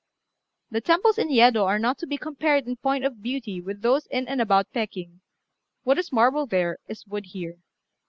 The temples in Yedo are not to be compared in point of beauty with those in and about Peking; what is marble there is wood here.